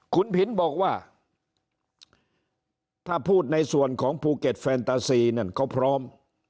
คุณผินบอกว่าถ้าพูดในส่วนของภูเก็ตแฟนตาซีนั่นเขาพร้อม